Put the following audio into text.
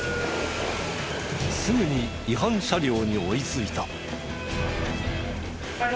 すぐに違反車両に追いついた。